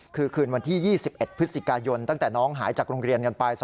คือคืนวันที่๒๑พฤศจิกายนตั้งแต่น้องหายจากโรงเรียนกันไป